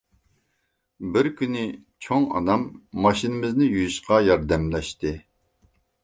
بىر كۈنى چوڭ ئانام ماشىنىمىزنى يۇيۇشقا ياردەملەشتى.